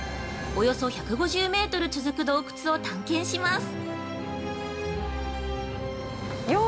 およそ１５０メートル続く洞窟を探検します。